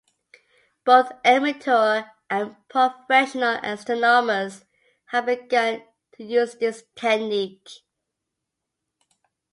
Both amateur and professional astronomers have begun to use this technique.